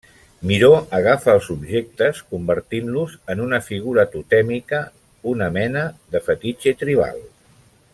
Miró agafa els objectes, convertint-los en una figura totèmica, una mena de fetitxe tribal.